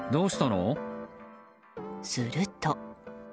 すると。